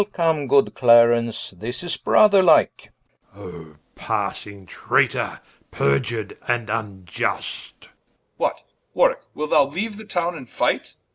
Welcome good Clarence, this is Brother like Warw. Oh passing Traytor, periur'd and vniust Edw. What Warwicke, Wilt thou leaue the Towne, and fight?